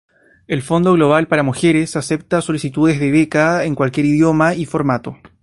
El Fondo Global para Mujeres acepta solicitudes de beca en cualquier idioma y formato.